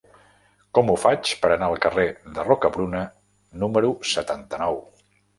Com ho faig per anar al carrer de Rocabruna número setanta-nou?